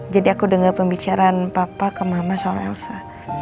jadi aku dengar pembicaraan papa ke mama soal elsa